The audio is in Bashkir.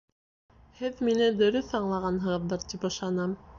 Һеҙ мине дөрөҫ аңлағанһығыҙҙыр тип ышанам